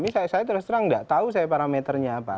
saya terus terang tidak tahu saya parameternya apa